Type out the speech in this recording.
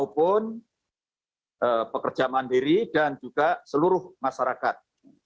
maupun pekerja mandiri dan juga seluruh masyarakat